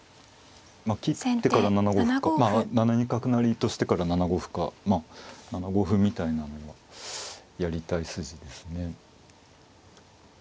切ってから７五歩か７二角成としてから７五歩かまあ７五歩みたいなのがやりたい筋ですね。